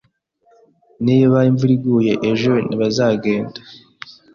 Niba imvura iguye ejo, ntibazagenda.